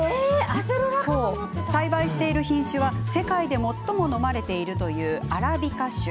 栽培している品種は世界で最も飲まれているというアラビカ種。